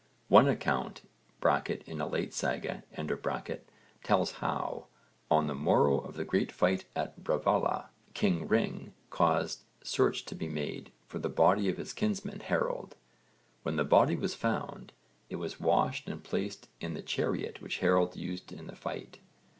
One account (in a late saga) tells how, on the morrow of the great fight at Bravalla, king Ring caused search to be made for the body of his kinsman Harold. When the body was found, it was washed and placed in the chariot which Harold used in the fight.